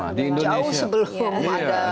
jauh sebelum ada media sosial